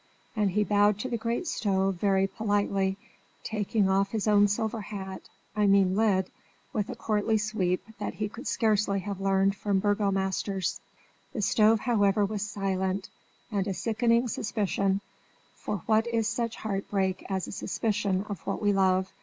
And he bowed to the great stove very politely, taking off his own silver hat I mean lid with a courtly sweep that he could scarcely have learned from burgomasters. The stove, however, was silent, and a sickening suspicion (for what is such heart break as a suspicion of what we love?)